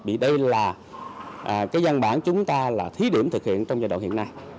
vì đây là cái dân bản chúng ta là thí điểm thực hiện trong giai đoạn hiện nay